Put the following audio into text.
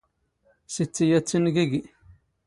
ⵙⵉⵜⵜⵉⵢⴰⵜ ⵜ ⵉⵏⵏ ⴳⵉⴳⵉ.